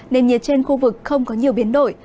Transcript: nền nhiệt trên khu vực không có nhiều biến đổi